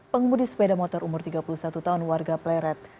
pengemudi sepeda motor umur tiga puluh satu tahun warga pleret